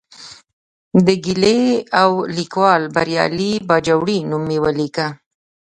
د ګیلې او لیکوال بریالي باجوړي نوم مې ولیکه.